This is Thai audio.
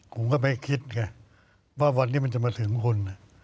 ผมก็ไม่คิดไงว่าวันนี้มันจะมาถึงคุณ